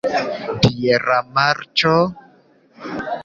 Biera marĉo?